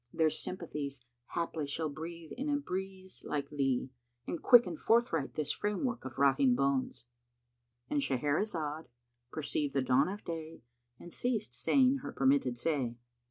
Their sympathies haply shall breathe in a Breeze like thee * And quicken forthright this framework of rotting bones."[FN#161] —And Shahrazad perceived the dawn of day and ceased saying her permitted say.